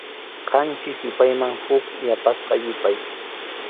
Qanchis yupayman huk yapasqa yupay.